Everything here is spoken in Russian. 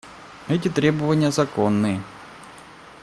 Эти требования законные.